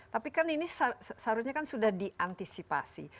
tapi kan ini seharusnya kan sudah diantisipasi